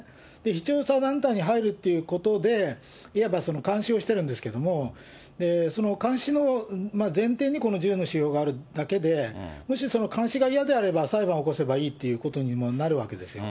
非調査団体に入るということで、いわば監視をしてるんですけども、その監視の前提にこの１０の指標があるだけで、もしこの監視が嫌なら裁判を起こせば、いいっていうことにもなるわけですよ。